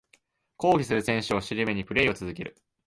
抗議する選手を尻目にプレイを続ける